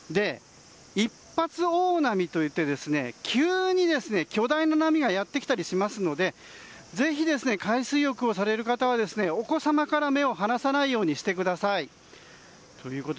一発大波といって急に巨大な波がやってきたりしますのでぜひ海水浴をされる方はお子様から目を離さないようにしてください。